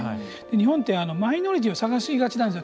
日本って、マイノリティーを探しがちなんですよ。